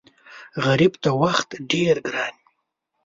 غریب ته وخت ډېر ګران وي